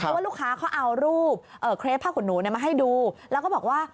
ใช่ว่าลูกค้าเขาเอารูปเครพภาคหนูเนี่ยมาให้ดูแล้วก็บอกว่า